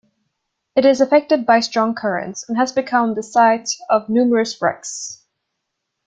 It is affected by strong currents, and has become the site of numerous wrecks.